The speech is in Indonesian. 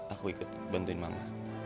aku ikut bantuin mama